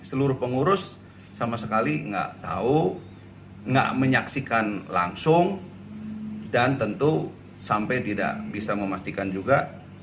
seluruh pengurus sama sekali nggak tahu nggak menyaksikan langsung dan tentu sampai tidak bisa memastikan juga